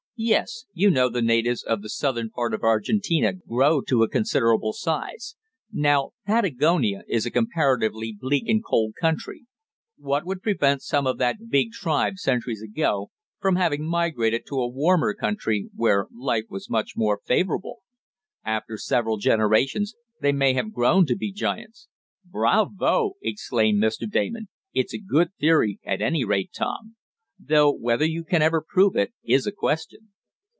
"Yes. You know the natives of the Southern part of Argentina grow to a considerable size. Now Patagonia is a comparatively bleak and cold country. What would prevent some of that big tribe centuries ago, from having migrated to a warmer country, where life was more favorable? After several generations they may have grown to be giants." "Bravo!" exclaimed Mr. Damon. "It's a good theory, at any rate, Tom. Though whether you can ever prove it is a question."